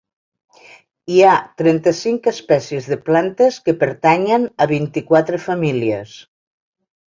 Hi ha trenta-cinc espècies de plantes que pertanyen a vint-i-quatre famílies.